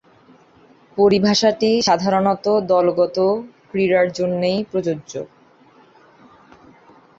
পরিভাষাটি সাধারণতঃ দলগত ক্রীড়ার জন্যেই প্রযোজ্য।